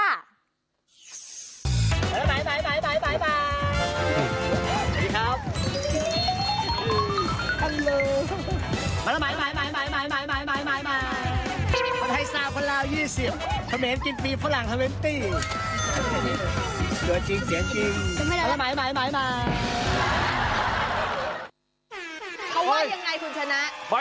เขาว่ายังไงคุณชนะ